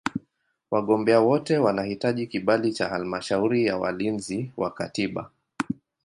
Wagombea wote wanahitaji kibali cha Halmashauri ya Walinzi wa Katiba.